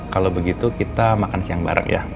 kalau begitu kita makan siang bareng ya